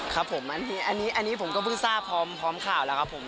ครับผมอันนี้ผมก็เพิ่งทราบพร้อมข่าวแล้วครับผม